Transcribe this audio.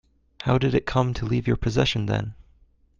How did it come to leave your possession then?